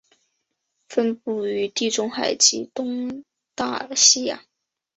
分布于地中海及东大西洋。